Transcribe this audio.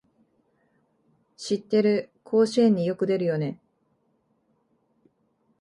知ってる、甲子園によく出るよね